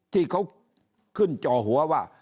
ที่เขาขึ้นจอหัวว่า